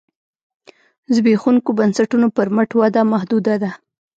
زبېښونکو بنسټونو پر مټ وده محدوده ده.